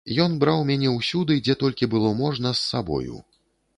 Ён браў мяне ўсюды, дзе толькі было можна, з сабою.